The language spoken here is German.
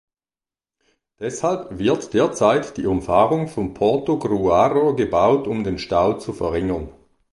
Deshalb wird derzeit die Umfahrung von Portogruaro gebaut, um den Stau zu verringern.